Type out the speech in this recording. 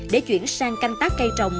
để chuyển sang canh tác cây trồng